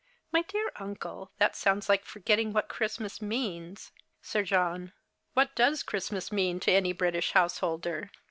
My dear uncle, that sounds like forgetting what Christmas means. Sir John. What does Christmas mean to any British householder ?